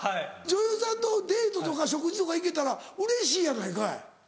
女優さんとデートとか食事とか行けたらうれしいやないかい。